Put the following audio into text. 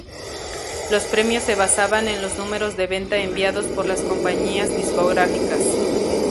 Los premios se basaban en los números de venta enviados por las compañías discográficas.